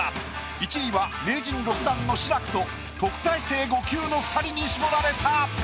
１位は名人６段の志らくと特待生５級の２人に絞られた。